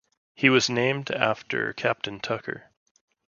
He was named after Captain Tucker.